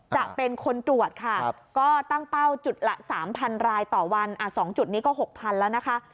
จะเป็นคนตรวจค่ะก็ตั้งเป้าจุดละสามพันรายต่อวันอ่าสองจุดนี้ก็หกพันแล้วนะคะ